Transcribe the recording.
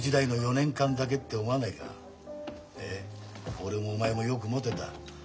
俺もお前もよくもてた。